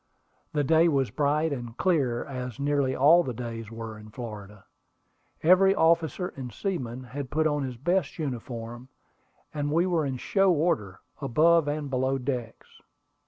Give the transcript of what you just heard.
The day was bright and clear, as nearly all the days were in Florida. Every officer and seaman had put on his best uniform, and we were in "show" order, above and below decks.